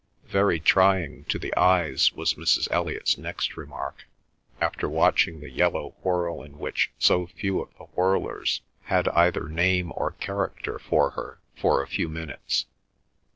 "Very trying to the eyes," was Mrs. Eliot's next remark, after watching the yellow whirl in which so few of the whirlers had either name or character for her, for a few minutes.